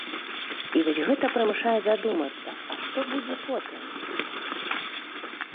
І вось гэта прымушае задумацца, а што будзе потым?